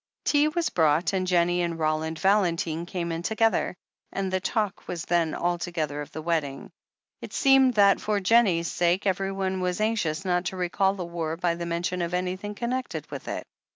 Tea was brought, and Jennie and Roland Valentine came in together, and the talk was then altogether of the wedding. It seemed that, for Jennie's sake, every one was anxious not to recall the war by the mention of anything connected with it.